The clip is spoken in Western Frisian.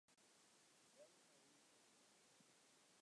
Belje nei hûs ta.